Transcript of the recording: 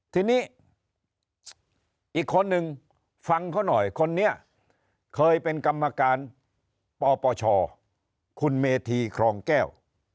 ทีนี้อีกคนนึงฟังเขาหน่อยคนนี้เคยเป็นกรรมการปปชคุณเมธีครองแก้ว